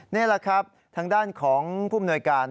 นี่แหละครับทางด้านของผู้มนวยการ